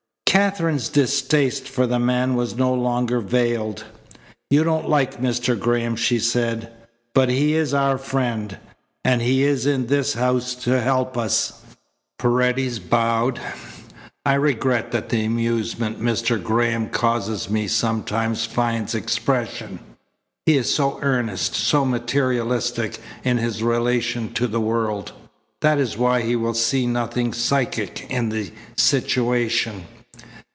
Katherine's distaste for the man was no longer veiled. "You don't like Mr. Graham," she said, "but he is our friend, and he is in this house to help us." Paredes bowed. "I regret that the amusement Mr. Graham causes me sometimes finds expression. He is so earnest, so materialistic in his relation to the world. That is why he will see nothing psychic in the situation."